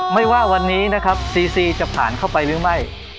ไม่ว่าวันนี้นะครับซีซีจะผ่านเข้าไปหรือไม่